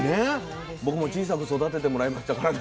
僕も小さく育ててもらいましたからね。